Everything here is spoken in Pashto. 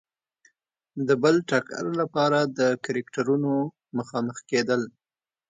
د بل ټکر لپاره د کرکټرونو مخامخ کېدل.